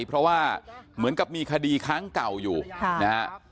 เพราะว่าเหมือนกับมีคดีค้างเก่าอยู่นะฮะ